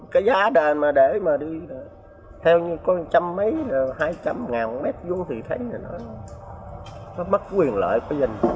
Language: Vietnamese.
cái giá đền mà để mà đi theo như có một trăm linh mấy hai trăm linh ngàn một mét vuông thì thấy là nó mất quyền lợi của dân